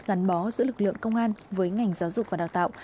gắn bó giữa lực lượng công an với ngành giáo dục và đào tạo